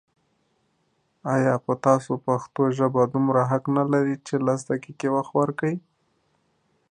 آيا په تاسو پښتو ژبه دومره حق نه لري چې لس دقيقې وخت ورکړئ